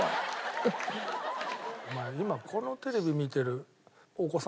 お前今このテレビ見てる。